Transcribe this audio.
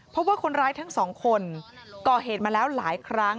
เพราะว่าคนร้ายทั้งสองคนก่อเหตุมาแล้วหลายครั้ง